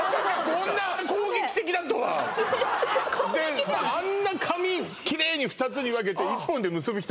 こんな攻撃的だとは攻撃的じゃであんな髪キレイに２つに分けて１本で結ぶ人